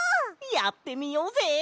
やってみようぜ！